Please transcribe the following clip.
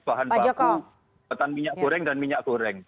bahan baku minyak goreng dan minyak petan goreng